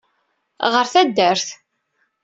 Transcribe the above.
Ɣer taddart.